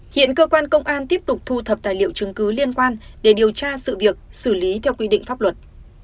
hiện cơ quan công an tiếp tục thu thập tài liệu chứng cứ liên quan để điều tra sự việc xử lý theo quy định pháp luật